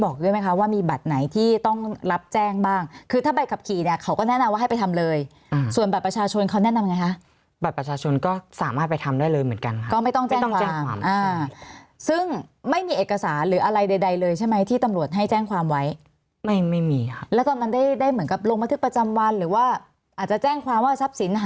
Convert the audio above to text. เขาก็แนะนำว่าให้ไปทำเลยอืมส่วนบัตรประชาชนเขาแนะนำไงฮะบัตรประชาชนก็สามารถไปทำได้เลยเหมือนกันครับก็ไม่ต้องแจ้งความอ่าซึ่งไม่มีเอกสารหรืออะไรใดใดเลยใช่ไหมที่ตำรวจให้แจ้งความไว้ไม่ไม่มีครับแล้วตอนนั้นได้ได้เหมือนกับลงบันทึกประจำวันหรือว่าอาจจะแจ้งความว่าทรัพย์ส